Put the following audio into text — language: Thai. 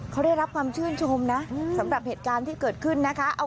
เขาได้รับความชื่นชมนะสำหรับเหตุการณ์ที่เกิดขึ้นนะคะ